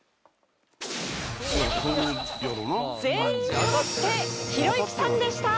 全員そろってひろゆきさんでした！